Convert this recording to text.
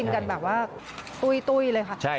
กันแบบว่าตุ้ยเลยค่ะ